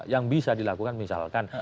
yang bisa dilakukan misalkan